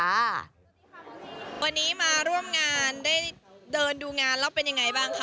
วันนี้มาร่วมงานได้เดินดูงานแล้วเป็นยังไงบ้างคะ